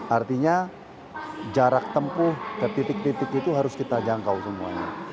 artinya jarak tempuh ke titik titik itu harus kita jangkau semuanya